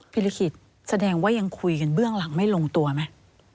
ลิขิตแสดงว่ายังคุยกันเบื้องหลังไม่ลงตัวไหม